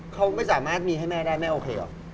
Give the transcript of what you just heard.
เขาไม่สามารถมีให้แม่ได้แม่โอเคหรอ